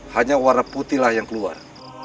hanya warna putihlah yang keluar